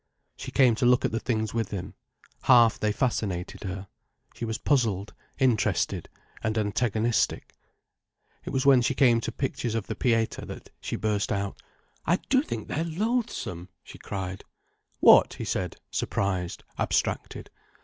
She came to look at the things with him. Half they fascinated her. She was puzzled, interested, and antagonistic. It was when she came to pictures of the Pietà that she burst out. "I do think they're loathsome," she cried. "What?" he said, surprised, abstracted.